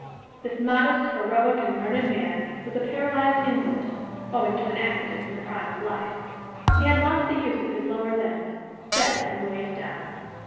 This modest, heroic, and learned man was a paralyzed invalid, owing to an accident in the prime of life. He had lost the use of his lower limbs "dead from the waist down."